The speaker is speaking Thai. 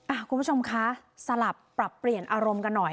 คุณผู้ชมคะสลับปรับเปลี่ยนอารมณ์กันหน่อย